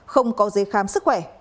không có giấy khám sức khỏe